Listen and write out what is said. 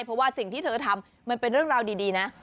เพราะว่าสิ่งที่เธอทำมันเป็นเรื่องราวดีนะ